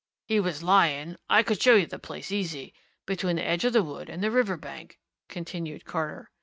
"He was lying I could show you the place, easy between the edge of the wood and the river bank," continued Carter.